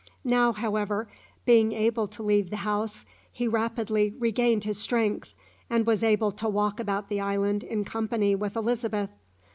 Now, however, being able to leave the house, he rapidly regained his strength, and was able to walk about the island in company with Elizabeth.